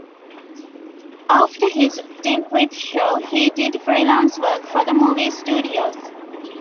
After his stint with Shaw, he did freelance work for the movie studios.